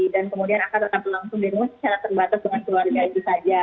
dan kemudian akan tetap langsung dihubungi secara terbatas dengan keluarga itu saja